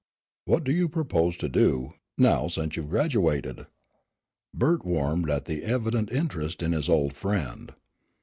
What do you propose to do, now since you've graduated?" Bert warmed at the evident interest of his old friend.